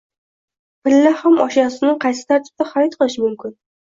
Pilla xom ashyosini qaysi tartibda xarid qilish mumkin?